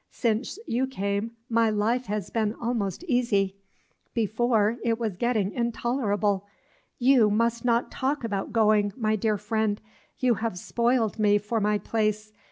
Since you came, my life has been almost easy; before, it was getting intolerable. You must not talk about going, my dear friend; you have spoiled me for my place.